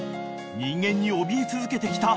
［人間におびえ続けてきた］